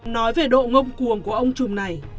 nói về độ ngông cuồng của ông trùm này